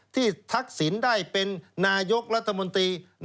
ทักษิณได้เป็นนายกรัฐมนตรี